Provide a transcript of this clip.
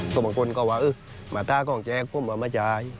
ส่วนบางคนก็ว่ามาท่ากล้องแจ๊กผมมาจ่าย